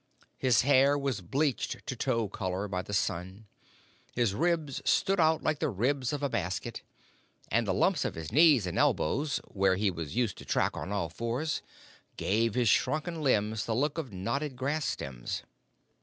His hair was bleached to tow color by the sun; his ribs stood out like the ribs of a basket, and the lumps on his knees and elbows, where he was used to track on all fours, gave his shrunken limbs the look of knotted grass stems.